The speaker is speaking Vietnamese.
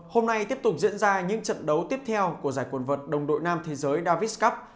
hôm nay tiếp tục diễn ra những trận đấu tiếp theo của giải quần vợt đồng đội nam thế giới davis cup